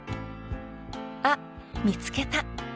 ［あっ見つけた］